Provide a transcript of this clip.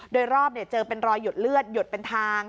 โดยรอบเจอเป็นรอยหยดเลือดหยดเป็นทาง